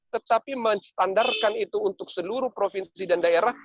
tetapi menstandarkan itu untuk seluruh provinsi dan daerah